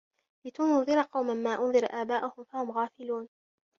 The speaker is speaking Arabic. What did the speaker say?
لِتُنذِرَ قَومًا ما أُنذِرَ آباؤُهُم فَهُم غافِلونَ